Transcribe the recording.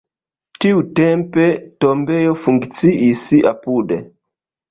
Tiutempe tombejo funkciis apude.